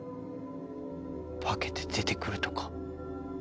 化けて出てくるとか？